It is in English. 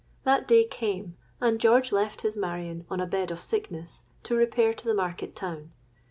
That day came; and George left his Marion on a bed of sickness, to repair to the market town.